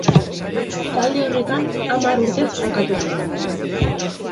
Talde horretan, hamar urtez jokatu zuen.